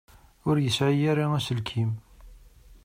Ur yesɛi ara aselkim.